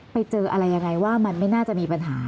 ไปเจออะไรยังไงว่ามันไม่น่าจะมีปัญหา